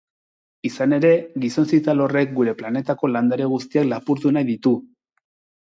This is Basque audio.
Izan ere, gizon zital horrek gure planetako landare guztiak lapurtu nahi ditu!